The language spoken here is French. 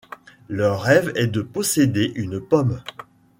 Leur rêve est de posséder une pomme.